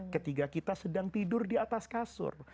ketika kita sedang tidur di atas kasur